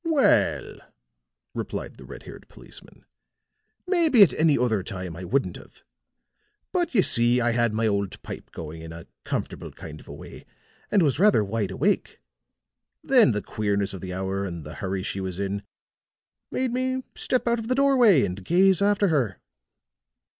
"Well," replied the red haired policeman, "maybe at any other time I wouldn't have. But you see, I had my old pipe going in a comfortable kind of a way, and was rather wide awake. Then, the queerness of the hour, and the hurry she was in, made me step out of the doorway and gaze after her."